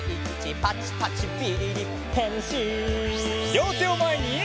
りょうてをまえに！